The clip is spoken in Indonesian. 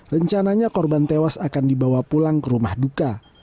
rencananya korban tewas akan dibawa pulang ke rumah duka